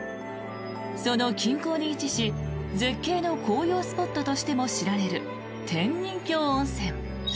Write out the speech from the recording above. その近郊に位置し絶景の紅葉スポットとしても知られる天人峡温泉。